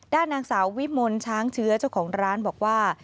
ด้านนางสาววิมลช้างเชื้อเจ้าของร้านบอกว่า